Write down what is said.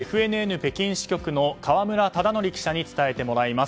ここからはＦＮＮ北京支局の河村忠徳記者に伝えてもらいます。